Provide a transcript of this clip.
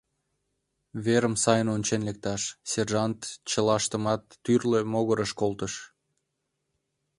Верым сайын ончен лекташ, сержант чылаштымат тӱрлӧ могырыш колтыш.